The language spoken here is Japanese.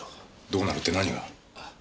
どうなるって何が？